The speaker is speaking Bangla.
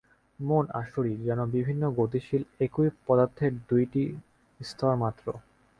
মন আর শরীর যেন বিভিন্ন গতিশীল একই পদার্থের দুইটি স্তর মাত্র।